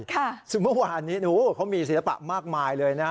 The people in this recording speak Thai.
ค่ะสุดท้ายว่านี้เขามีศิลปะมากมายเลยนะฮะ